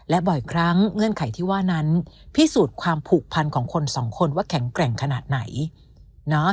และบ่อยครั้งเงื่อนไขที่ว่านั้นพิสูจน์ความผูกพันของคนสองคนว่าแข็งแกร่งขนาดไหนนะ